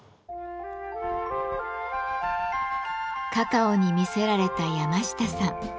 カカオに魅せられた山下さん。